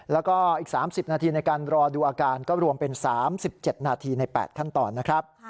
แล้วก็อีก๓๐นาทีในการรอดูอาการก็รวมเป็น๓๗นาทีใน๘ขั้นตอนนะครับ